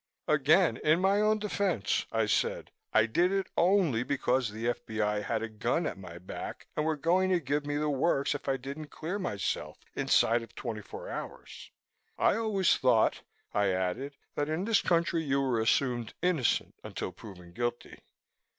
"Again in my own defense," I said, "I did it only because the F.B.I. had a gun at my back and were going to give me the works if I didn't clear myself inside of twenty four hours. I always thought," I added, "that in this country you were assumed innocent until proved guilty."